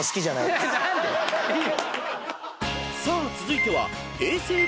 ［さあ続いては］